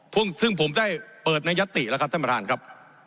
ซึ่งผมได้เปิดในยัตติแล้วครับท่านประธานครับ